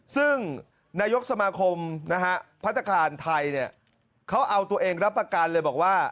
ซึ่งนายกสมาคมนะฮะพัฒนาคารไทยเนี่ยเขาเอาตัวเองรับประกันเลยบอกว่า